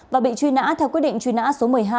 và bị truy nã theo quyết định truy nã số một mươi hai